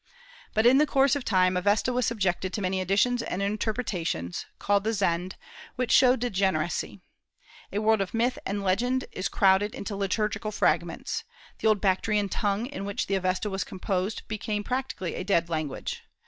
But in the course of time the Avesta was subjected to many additions and interpretations, called the Zend, which show degeneracy. A world of myth and legend is crowded into liturgical fragments. The old Bactrian tongue in which the Avesta was composed became practically a dead language.